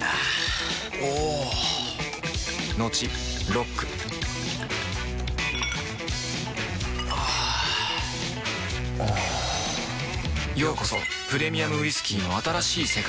あぁおぉトクトクあぁおぉようこそプレミアムウイスキーの新しい世界へ